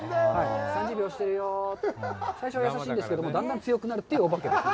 ３０秒おしてるよ、最初は優しいんですけれども、だんだん強くなるというお化けです。